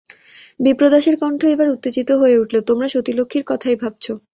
বিপ্রদাসের কণ্ঠ এইবার উত্তেজিত হয়ে উঠল, তোমরা সতীলক্ষ্মীর কথাই ভাবছ।